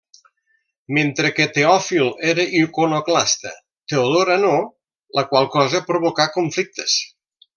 Mentre que Teòfil era iconoclasta, Teodora no, la qual cosa provocà conflictes.